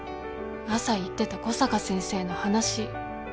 朝言ってた小坂先生の話。